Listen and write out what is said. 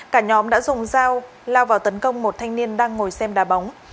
cả nhóm đã dùng dao lao vào tấn công một thanh niên đang ngồi xem đà bóng